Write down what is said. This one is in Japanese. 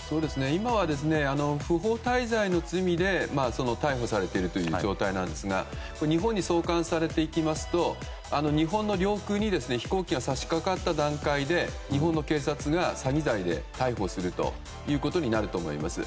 今は不法滞在の罪で逮捕されているという状態なんですが日本に送還されていきますと日本の領空に飛行機が差し掛かった段階で日本の警察が詐欺罪で逮捕するということになると思います。